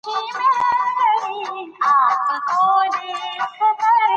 ازادي راډیو د د تګ راتګ ازادي ستونزې راپور کړي.